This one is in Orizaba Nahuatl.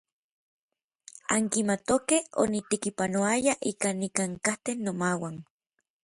Ankimatokej onitekipanouaya ika nikankatej nomauan.